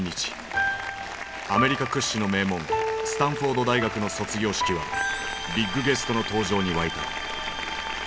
アメリカ屈指の名門スタンフォード大学の卒業式はビッグゲストの登場に沸いた。